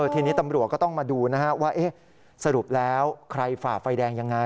ทีนี้ตำรวจก็ต้องมาดูนะฮะว่าสรุปแล้วใครฝ่าไฟแดงยังไง